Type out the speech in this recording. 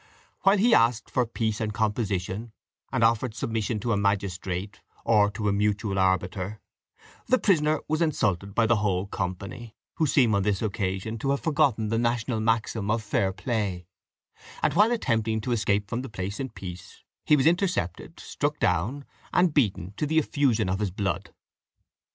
While he asked for peace and for composition, and offered submission to a magistrate, or to a mutual arbiter, the prisoner was insulted by a whole company, who seem on this occasion to have forgotten the national maxim of 'fair play'; and while attempting to escape from the place in peace, he was intercepted, struck down, and beaten to the effusion of his blood.